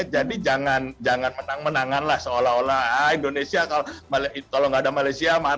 jadi jangan menangan menangan seolah olah indonesia kalau tidak ada malaysia mati